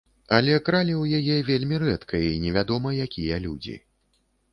Але кралі ў яе вельмі рэдка і невядома якія людзі.